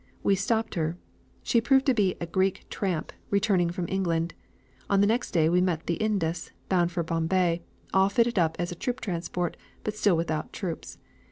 We stopped her; she proved to be a Greek tramp returning from England. On the next day we met the Indus, bound for Bombay, all fitted up as a troop transport, but still without troops.